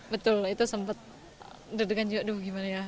betul itu sempat derdekan juga aduh gimana ya